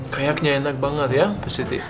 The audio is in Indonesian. kayaknya enak banget ya pak siti